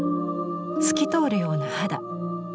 透き通るような肌。